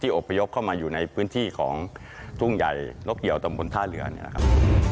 อบพยพเข้ามาอยู่ในพื้นที่ของทุ่งใหญ่นกเหี่ยวตำบลท่าเรือเนี่ยนะครับ